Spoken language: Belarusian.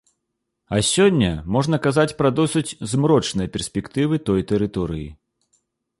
А сёння можна казаць пра досыць змрочныя перспектывы той тэрыторыі.